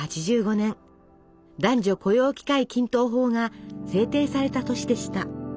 男女雇用機会均等法が制定された年でした。